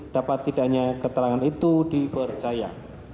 dapat tidaknya keterangan itu dipercaya